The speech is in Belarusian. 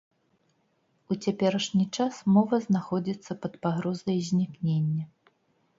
У цяперашні час мова знаходзіцца пад пагрозай знікнення.